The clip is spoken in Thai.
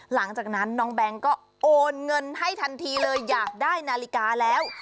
หลังจากนั้นน้องแบงค์ก็โอนเงินให้ทันทีเลยอยากได้นาฬิกาแล้ว